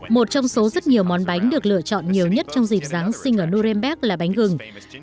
một trong số rất nhiều món bánh được lựa chọn nhiều nhất trong dịp giáng sinh ở norembek là bánh gừng